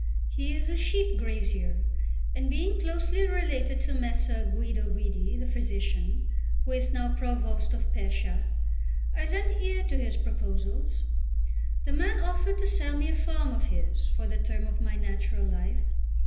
He is a sheep grazier; and being closely related to Messer Guido Guidi, the physician, who is now provost of Pescia, I lent ear to his proposals. The man offered to sell me a farm of his for the term of my natural life.